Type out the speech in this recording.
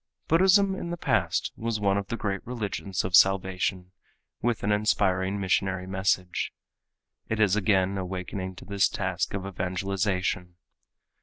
Buddhism in the past was one of the great religions of salvation with an inspiring missionary message. It is again awakening to this task of evangelization.